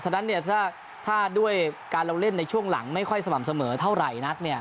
ฉะนั้นถ้าด้วยการเราเล่นในช่วงหลังไม่ค่อยสม่ำเสมอเท่าไหร่นัก